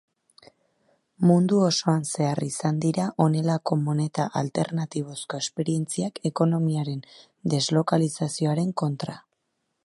Mundu osoan zehar izan dira honelako moneta alternatibozko esperientziak ekonomiaren deslokalizazioaren kontra.